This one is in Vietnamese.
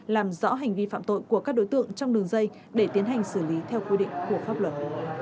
làm rõ hành vi phạm tội của các đối tượng trong đường dây để tiến hành xử lý theo quy định của pháp luật